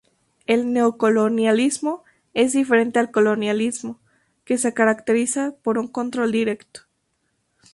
El neocolonialismo es diferente al colonialismo, que se caracteriza por un control directo.